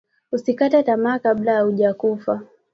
Usikate tamaa kabla auja kufa